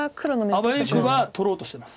あわよくば取ろうとしてます。